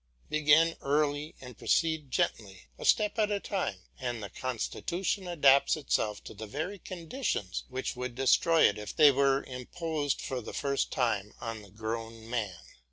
Begin early and proceed gently, a step at a time, and the constitution adapts itself to the very conditions which would destroy it if they were imposed for the first time on the grown man.